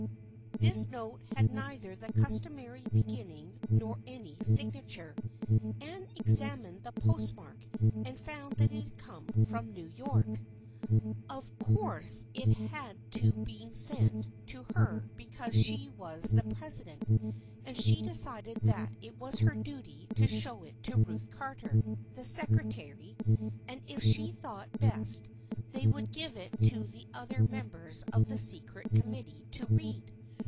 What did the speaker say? " This note had neither the customary beginning nor any signature. Anne examined the postmark and found that it had come from New York. Of 78 THE FRIENDSHIP OF ANNE 79 course it had been sent to her because she was the president, and she decided that it was her duty to show it to Ruth Carter, the secretary, and if she thought best they would give it to the other mem bers of the secret committee to read.